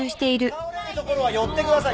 倒れるところは寄ってください。